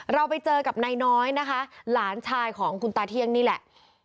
เราไปเจอกับนายน้อยนะคะหลานชายของคุณตาเที่ยงนี่แหละ